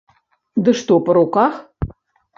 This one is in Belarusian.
Ды што па руках?